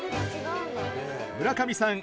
村上さん